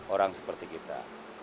orang seperti kita